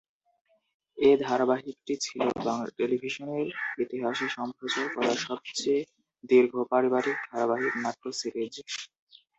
এ ধারাবাহিকটি ছিল টেলিভিশনের ইতিহাসে সম্প্রচার করা সবচেয়ে দীর্ঘ পারিবারিক ধারাবাহিক নাট্য সিরিজ।